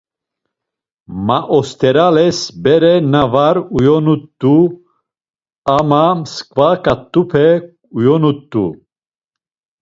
Maosterales bere na var uyonut̆u ama mskva ǩat̆upe uyonut̆u.